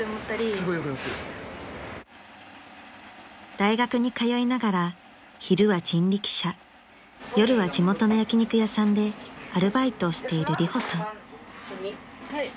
［大学に通いながら昼は人力車夜は地元の焼き肉屋さんでアルバイトをしているリホさん］